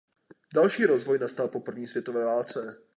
Další rozvoj nastal po první světové válce.